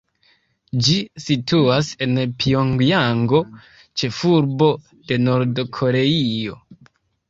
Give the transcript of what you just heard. Ĝi situas en Pjongjango, ĉefurbo de Nord-Koreio.